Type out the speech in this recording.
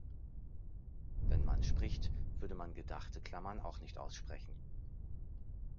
Wenn man spricht, würde man gedachte Klammern auch nicht aussprechen.